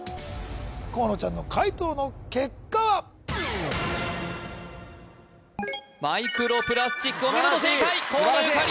河野ちゃんの解答の結果はマイクロプラスチックお見事正解河野ゆかり